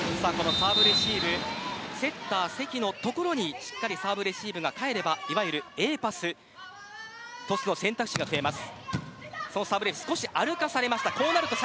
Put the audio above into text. サーブレシーブセッター関の所にしっかりサーブ、レシーブが返れば、いわゆるＡパストスの選択肢が増えます。